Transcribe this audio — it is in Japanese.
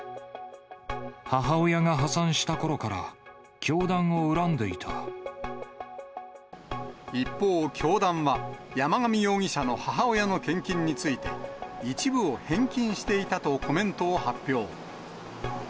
母親が破産したころから、一方、教団は、山上容疑者の母親の献金について、一部を返金していたとコメントを発表。